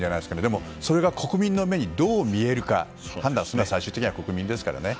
でも、それが国民の目にどう見えるのか判断するのは最終的には国民ですからね。